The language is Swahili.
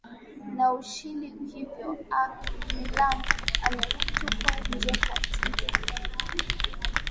na ushindi hivyo ac millan ametupwa nje katika